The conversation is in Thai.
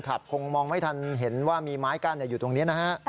คงมองไม่ทันเห็นว่ามีไม้กั้นอยู่ตรงนี้นะฮะ